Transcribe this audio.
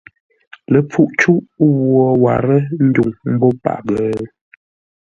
Ləpfuʼ ghwô warə́ ndwuŋ mbó paghʼə?